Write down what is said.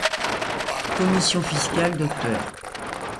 Commission Fiscale: Dr.